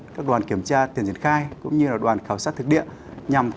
các đoàn kiểm tra tiền triển khai cũng như là đoàn khảo sát thực địa